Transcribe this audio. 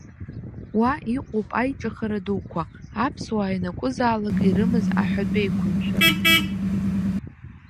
Уа иҟоуп аиҿыхара дуқәа, аԥсуаа ианакәызаалак ирымаз аҳәатәеиқәымшәара.